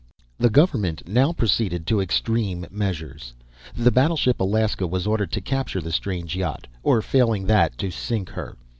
The government now proceeded to extreme measures. The battleship Alaska was ordered to capture the strange yacht, or, failing that, to sink her.